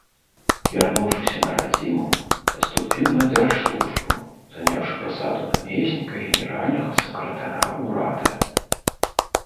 Вярнуўшыся на радзіму, паступіў на дзяржслужбу, заняўшы пасаду намесніка генеральнага сакратара ўрада.